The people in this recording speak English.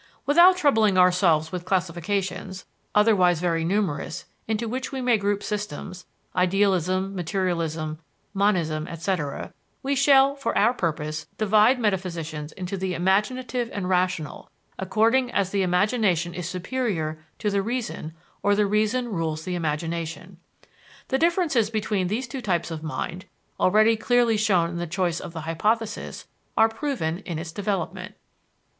Without troubling ourselves with classifications, otherwise very numerous, into which we may group systems (idealism, materialism, monism, etc.) we shall, for our purpose, divide metaphysicians into the imaginative and rational, according as the imagination is superior to the reason or the reason rules the imagination. The differences between these two types of mind, already clearly shown in the choice of the hypothesis, are proven in its development.